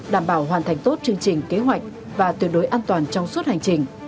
đảm bảo hoàn thành tốt chương trình kế hoạch và tuyệt đối an toàn trong suốt hành trình